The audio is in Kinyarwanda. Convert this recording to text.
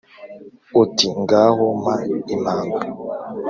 Uti: ngaho mpa impamba